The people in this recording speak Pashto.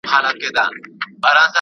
زه به انځور ليدلی وي!!